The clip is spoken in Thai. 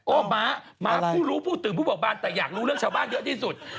ม้าม้าผู้รู้ผู้ตื่นผู้บอกบานแต่อยากรู้เรื่องชาวบ้านเยอะที่สุด